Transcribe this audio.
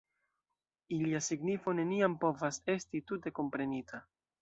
Ilia signifo neniam povas esti tute komprenita.